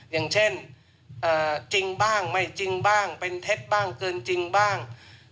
อย่างเช่นจริงบ้างไม่จริงบ้างเป็นเท็จบ้างเกินจริงบ้าง